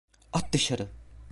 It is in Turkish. At dışarı!